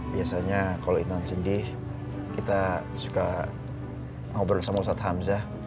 biasanya kalau intan cendi kita suka ngobrol sama ustadz hamzah